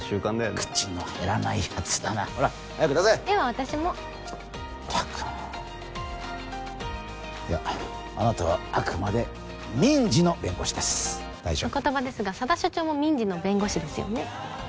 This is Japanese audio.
口の減らない奴だなほら早く出せでは私もまったくもういやあなたはあくまで民事の弁護士です大丈夫お言葉ですが佐田所長も民事の弁護士ですよね？